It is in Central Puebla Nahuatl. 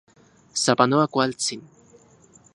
¡Sapanoa kualtsin!